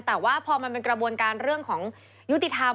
แต่ว่าพอมันเป็นกระบวนการเรื่องของยุติธรรม